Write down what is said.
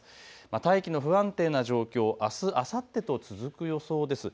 大気の不安定な状況、あす、あさってと続く予想です。